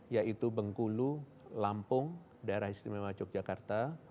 yaitu bengkulu lampung daerah istimewa yogyakarta